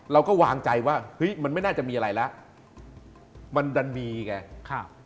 เราก็วางใจว่าเฮ้ยมันไม่น่าจะมีอะไรแล้วมันดันมีไงครับ